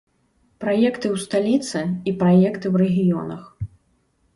Праекты ў сталіцы і праекты ў рэгіёнах.